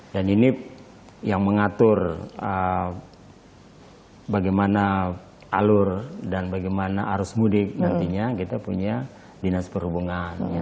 dan ini yang mengatur bagaimana alur dan bagaimana arus mudik nantinya kita punya dinas perhubungan